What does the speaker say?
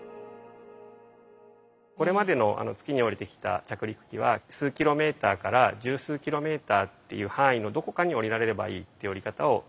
これまでの月に降りてきた着陸機は数キロメーター１０数キロメーターっていう範囲のどこかに降りられればいいっていう降り方をしてきていました。